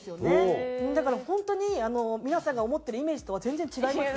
だから本当に皆さんが思ってるイメージとは全然違います。